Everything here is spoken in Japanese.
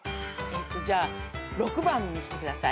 じゃあ６番見してください。